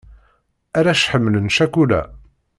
Arrac ḥemmlen ccakula.